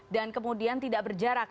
dan kemudian tidak berjarak